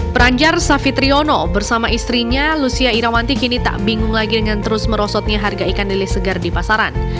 peranjar savitriono bersama istrinya lucia irawanti kini tak bingung lagi dengan terus merosotnya harga ikan lele segar di pasaran